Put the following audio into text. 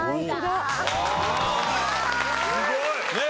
すごい！ねえ！